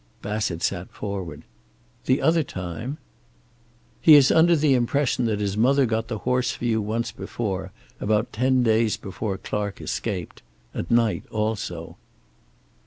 Bassett sat forward. "The other time?" "He is under the impression that his mother got the horse for you once before, about ten days before Clark escaped. At night, also."